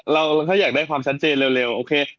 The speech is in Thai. ถ้าอยากได้ความชัดเจนเร็วโอเค